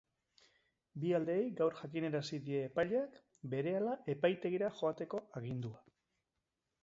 Bi aldeei gaur jakinarazi die epaileak berehala epaitegira joateko agindua.